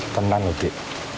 tenang lo dek